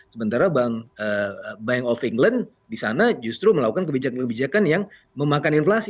sementara bank of england di sana justru melakukan kebijakan kebijakan yang memakan inflasi